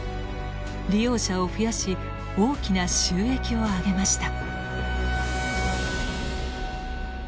利用者を増やし大きな収益をあげました。